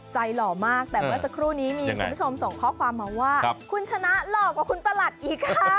หล่อมากแต่เมื่อสักครู่นี้มีคุณผู้ชมส่งข้อความมาว่าคุณชนะหล่อกว่าคุณประหลัดอีกค่ะ